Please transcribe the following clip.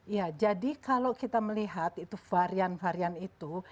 ya jadi kalau kita melihat itu varian varian itu